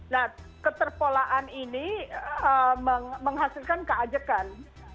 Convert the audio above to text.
nah keterpolaan ini menghasilkan keajekan